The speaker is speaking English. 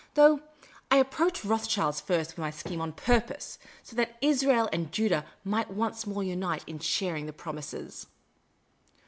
" Though I approached Roths child first with my scheme on purpose, so that Israel and Judaii might once more unite in sharing the promises."